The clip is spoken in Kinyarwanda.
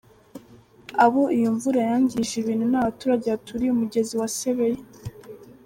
Abo iyo mvura yangirije ibintu ni abaturage baturiye umugezi wa Sebeya.